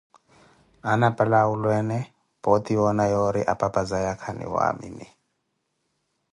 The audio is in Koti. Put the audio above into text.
Aana apale awulweene pooti woona yoori apapa zaya khaniwamini.